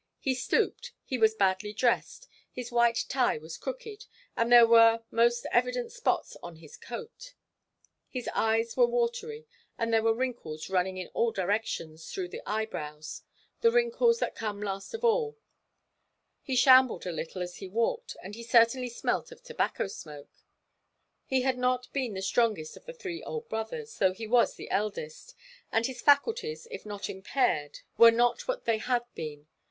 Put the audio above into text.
He stooped, he was badly dressed, his white tie was crooked, and there were most evident spots on his coat; his eyes were watery, and there were wrinkles running in all directions through the eyebrows, the wrinkles that come last of all; he shambled a little as he walked, and he certainly smelt of tobacco smoke. He had not been the strongest of the three old brothers, though he was the eldest, and his faculties, if not impaired, were not what they had been.